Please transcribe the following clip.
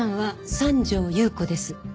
三条祐子です。